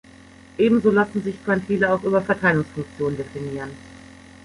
Ebenso lassen sich Quantile auch über Verteilungsfunktionen definieren.